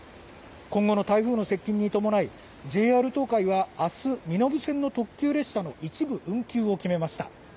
今後の台風の接近に伴いＪＲ東海は明日身延線の特急列車の一部運休を決めました。